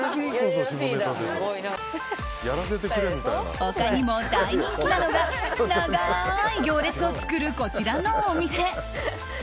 他にも大人気なのが長い行列を作る、こちらのお店。